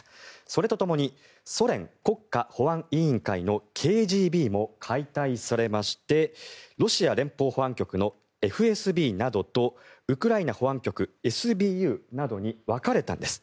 それとともにソ連国家保安委員会のＫＧＢも解体されましてロシア連邦保安局のＦＳＢなどとウクライナ保安局・ＳＢＵに分かれたんです。